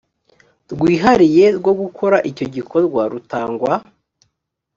rwihariye rwo gukora icyo gikorwa rutangwa